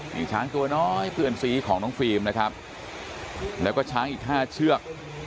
มีช้างตัวน้อยเพื่อนซีของน้องฟิล์มนะครับแล้วก็ช้างอีกห้าเชือก